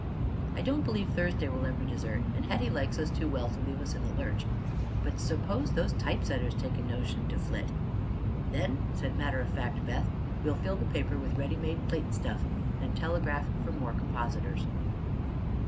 "I don't believe Thursday will ever desert, and Hetty likes us too well to leave us in the lurch; but suppose those typesetters take a notion to flit?" "Then," said matter of fact Beth, "we'll fill the paper with ready made plate stuff and telegraph for more compositors."